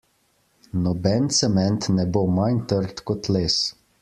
Noben cement ne bo manj trd kot les.